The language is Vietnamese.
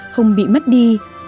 không bị mất đi